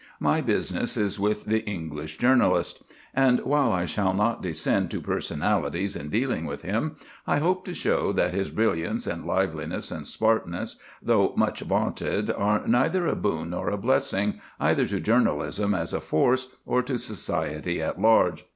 My business is with the English journalist; and while I shall not descend to personalities in dealing with him, I hope to show that his brilliance and liveliness and smartness, though much vaunted, are neither a boon nor a blessing either to journalism as a force or to society at large.